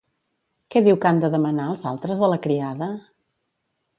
Què diu que han de demanar els altres a la criada?